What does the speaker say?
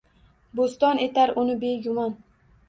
Bo’ston etar uni begumon.